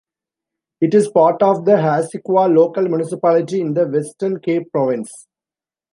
It is part of the Hessequa Local Municipality in the Western Cape province.